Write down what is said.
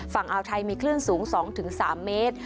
อ่าวไทยมีคลื่นสูง๒๓เมตร